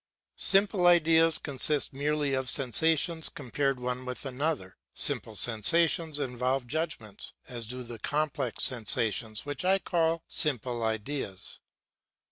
Simple ideas consist merely of sensations compared one with another. Simple sensations involve judgments, as do the complex sensations which I call simple ideas.